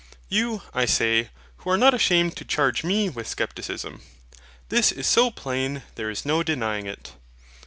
You, I say, who are not ashamed to charge me WITH SCEPTICISM. This is so plain, there is no denying it.